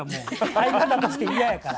相方として嫌やから。